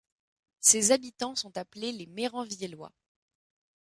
Ses habitants sont appelés les Mérenviellois.